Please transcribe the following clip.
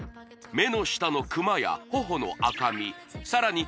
目の下のクマや頬の赤みさらに